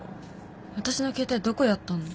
私の携帯どこやったの？